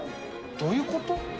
どういうこと？